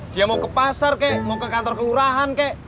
dia mau ke pasar kek mau ke kantor kelurahan kek